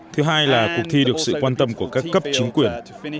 thứ hai là cuộc thi được sự quan tâm của các cấp chính quyền